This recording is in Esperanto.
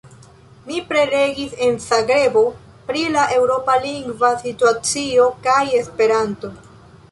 Mi prelegis en Zagrebo pri la Eŭropa lingva situacio kaj Esperanto.